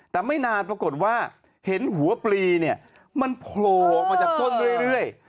แต่ไม่นานปรากฏว่าเห็นหัวปลีเนี่ยมันโผล่ออกมาจากต้นเรื่อย